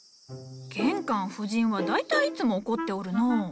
玄関夫人は大体いつも怒っておるのう。